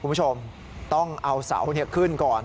คุณผู้ชมต้องเอาเสาขึ้นก่อน